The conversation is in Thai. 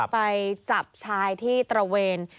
ไปจับชายที่ตระเวน